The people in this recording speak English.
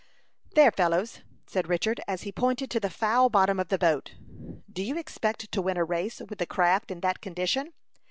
"There, fellows," said Richard, as he pointed to the foul bottom of the boat, "do you expect to win a race with the craft in that condition?